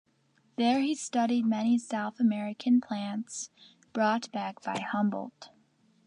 There he studied many South American plants, brought back by Humboldt.